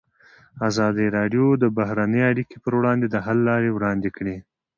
ازادي راډیو د بهرنۍ اړیکې پر وړاندې د حل لارې وړاندې کړي.